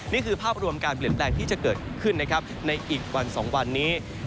นี่คือภาพรวมการเปลี่ยนแปลงที่จะเกิดขึ้นนะครับในอีกวัน๒วันนี้